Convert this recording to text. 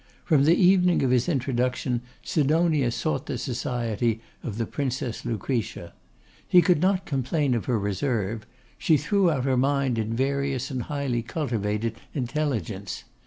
From the evening of his introduction Sidonia sought the society of the Princess Lucretia. He could not complain of her reserve. She threw out her mind in various and highly cultivated intelligence.